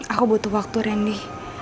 aku butuh waktu randy